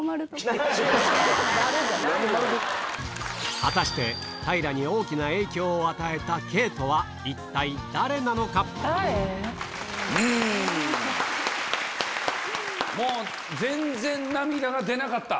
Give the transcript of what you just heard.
果たして平に大きな影響を与えたＫとは全然涙が出なかった？